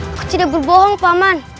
aku tidak berbohong paman